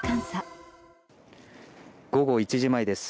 午後１時前です。